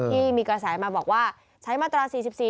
ที่มีกระแสมาบอกว่าใช้มาตรา๔๔